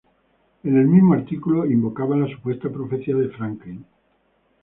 En el mismo artículo invocaba la supuesta Profecía de Franklin.